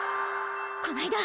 こないだ